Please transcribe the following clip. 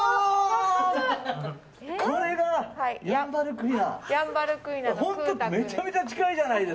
これがヤンバルクイナ。